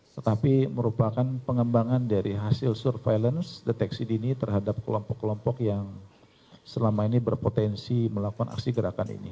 tetapi merupakan pengembangan dari hasil surveillance deteksi dini terhadap kelompok kelompok yang selama ini berpotensi melakukan aksi gerakan ini